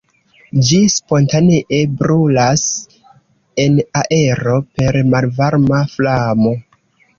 Ĝi spontanee brulas en aero per malvarma flamo.